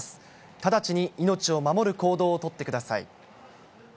直ちに命を守る行動を取ってください。